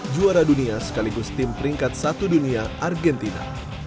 juara dunia sekaligus tim peringkat satu dunia argentina